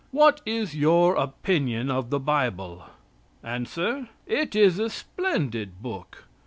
What is your opinion of the Bible? Answer. "It is a splendid book.